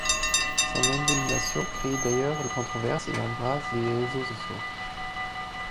Son élimination crée d'ailleurs la controverse et embrase les réseaux sociaux.